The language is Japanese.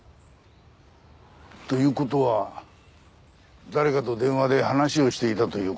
という事は誰かと電話で話をしていたという事か。